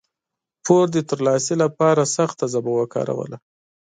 پور د ترلاسي لپاره سخته ژبه وکاروله.